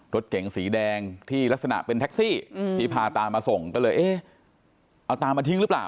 รถเก๋งสีแดงที่ลักษณะเป็นแท็กซี่ที่พาตามาส่งก็เลยเอ๊ะเอาตามาทิ้งหรือเปล่า